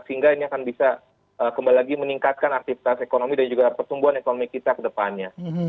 sehingga ini akan bisa kembali lagi meningkatkan aktivitas ekonomi dan juga pertumbuhan ekonomi kita ke depannya